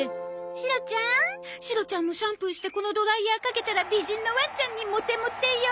シロちゃんシロちゃんもシャンプーしてこのドライヤーかけたら美人のワンちゃんにモテモテよ。